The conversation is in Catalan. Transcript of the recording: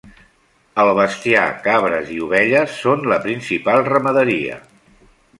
El bestiar, cabres i ovelles són la principal ramaderia.